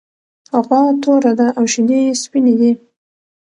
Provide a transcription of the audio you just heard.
غوا توره ده او شیدې یې سپینې دي.